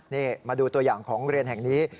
นี่มาดูตัวอย่างของเรียนแห่งนี้